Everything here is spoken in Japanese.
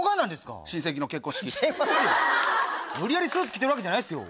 無理やりスーツ着てるわけじゃないですよ。